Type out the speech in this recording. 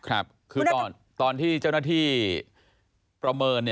คือตอนที่เจ้าหน้าที่ประเมิน